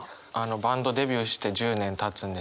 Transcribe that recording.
バンドデビューして１０年たつんですけど